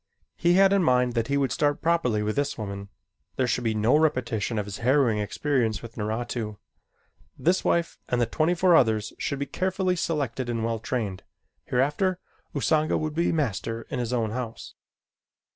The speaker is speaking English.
He had in mind that he would start properly with this woman. There should be no repetition of his harrowing experience with Naratu. This wife and the twenty four others should be carefully selected and well trained. Hereafter Usanga would be master in his own house.